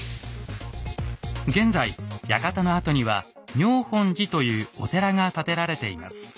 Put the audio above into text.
現在館の跡には妙本寺というお寺が建てられています。